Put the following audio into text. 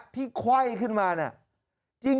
ที่ไข้ขึ้นมาเนี่ย